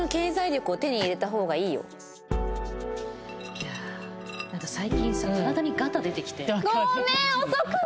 いやあなんか最近さ体にガタ出てきて。